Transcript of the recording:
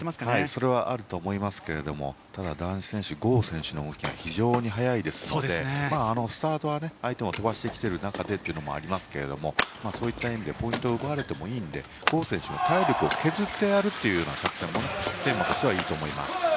それはあると思いますがただ男子選手、ゴー選手の動きが非常に速いのでスタートは相手も飛ばしてきている中でというのがありますけどもそういった意味でポイントを奪われてもいいのでゴー選手の体力を削るという作戦でいいと思います。